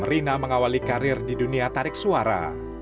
rina mengawali karir di dunia tarik suara